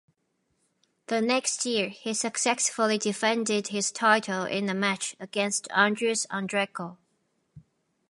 The next year, he successfully defended his title in a match against Andris Andreiko.